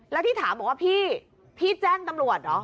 แล้วที่ถามบอกว่าพี่พี่แจ้งตำรวจเหรอ